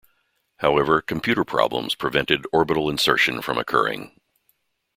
However, computer problems prevented orbital insertion from occurring.